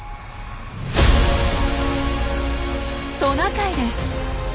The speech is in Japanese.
トナカイです！